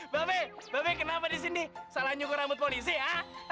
mbak peh mbak peh kenapa di sini salah nyungkur rambut polisi ya